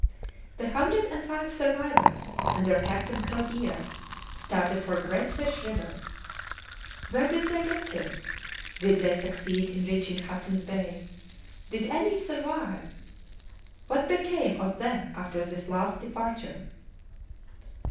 The hundred and five survivors, under Captain Crozier, started for Great Fish River. Where did they get to? Did they succeed in reaching Hudson's Bay? Did any survive? What became of them after this last departure?"